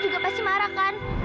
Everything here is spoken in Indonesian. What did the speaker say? juga pasti marah kan